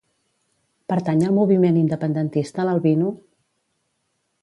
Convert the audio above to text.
Pertany al moviment independentista l'Albino?